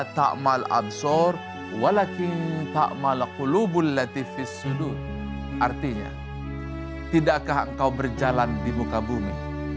artinya tidakkah engkau berjalan di muka bumi